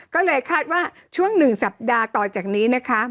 ก็เลยคาดว่าช่วง๑สัปดาห์ต่อจากนี้นะคะ